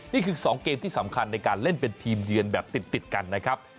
นี่คือ๒เกมที่สำคัญในการเล่นเป็นทีมเยือนแบบติดกันนะครับ